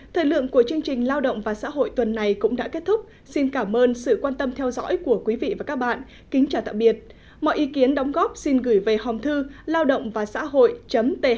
thời lượng của chương trình lao động và xã hội tuần này cũng đã kết thúc xin cảm ơn sự quan tâm theo dõi của quý vị và các bạn kính chào tạm biệt mọi ý kiến đóng góp xin gửi về hòng thư laodongvasahoi thnd aconggmail com